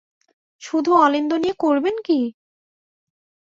শুধু অলিন্দ নিয়ে করবেন কী?